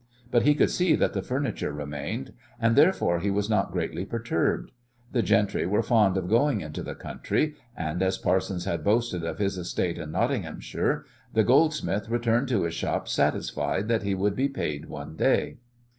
But he could see that the furniture remained, and, therefore, he was not greatly perturbed. The gentry were fond of going into the country, and as Parsons had boasted of his estate in Nottinghamshire the goldsmith returned to his shop satisfied that he would be paid one day.